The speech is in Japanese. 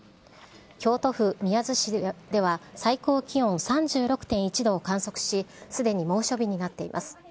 京都府宮津市では最高気温３６．１度を観測し、すでに猛暑日になっています。